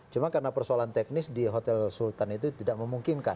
cuma karena persoalan teknis di hotel sultan itu tidak memungkinkan